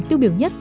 tiêu biểu nhất